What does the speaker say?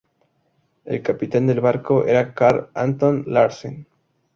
El capitán del barco era Carl Anton Larsen.